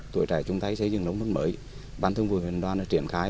tuổi trẻ chung tay xây dựng nông thôn mới bán thương vừa huyện đoàn đã triển khai